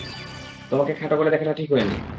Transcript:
তোমাকে খাটো করে দেখাটা ঠিক হয়নি।